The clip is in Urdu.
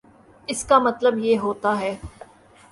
اس کا مطلب یہ ہوتا ہے